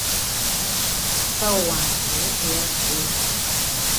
Omusawo wange leero teyazze.